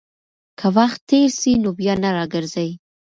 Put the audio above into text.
که وخت تېر سي، نو بيا نه راګرځي.